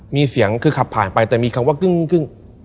มีเสียงคือขับผ่านไปแต่มีคำว่ากึ้ง